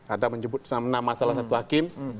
ada menyebut sama sama masalah satu hakim